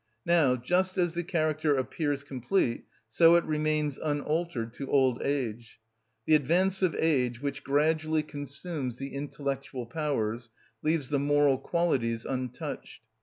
Now, just as the character appears complete, so it remains unaltered to old age. The advance of age, which gradually consumes the intellectual powers, leaves the moral qualities untouched.